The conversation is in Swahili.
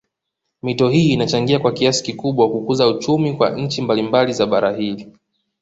Mito hii inachangia kwa kiasi kikubwa kukuza uchumi kwa nchi mbalimbali za bara hili